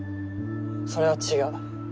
それは違う。